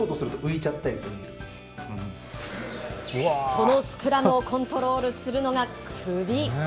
そのスクラムをコントロールするのが首。